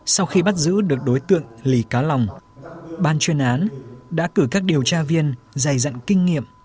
sau khi bắt giữ được đối tượng lì cá lòng ban chuyên án đã cử các điều tra viên dày dặn kinh nghiệm